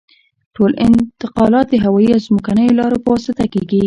ټول انتقالات د هوایي او ځمکنیو لارو په واسطه کیږي